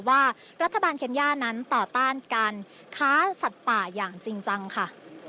ว่ารัฐบาลเคนย่านั้นต่อต้านการค้าสัตว์ป่าอย่างจริงจังค่ะ